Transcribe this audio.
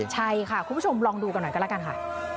ใช่ค่ะคุณผู้ชมลองดูกันหน่อยก็แล้วกันค่ะ